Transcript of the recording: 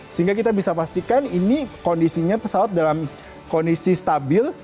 sehingga kita bisa pastikan ini kondisinya pesawat dalam kondisi stabil